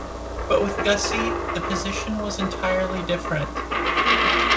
But with Gussie, the position was entirely different.